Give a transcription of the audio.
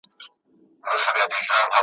خو شعر په مشخصه او ټاکلې ژبه لیکل کیږي `